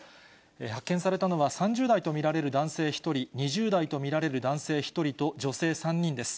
発見されたのは３０代と見られる男性１人、２０代と見られる男性１人と女性３人です。